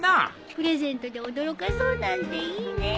プレゼントで驚かそうなんていいねえ。